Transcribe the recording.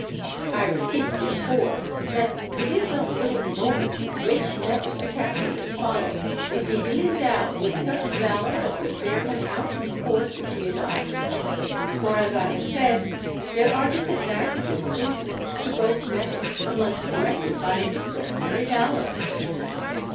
I repeat, therefore, that it is of little moment which method a captain may follow if he be endowed with such valour as will bear him out in the course which he adopts. For, as I have said, there are disadvantages incident to both methods unless corrected by extraordinary valour.